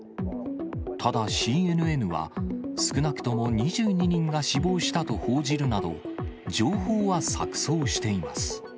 ただ、ＣＮＮは、少なくとも２２人が死亡したと報じるなど、情報は錯そうしています。